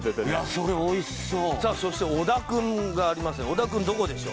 それおいしそうさあそして小田くんがありますね